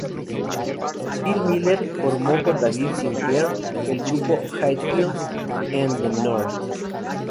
Phil Miller formó con David Sinclair el grupo Hatfield and the North.